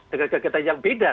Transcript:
dengan kegiatan yang beda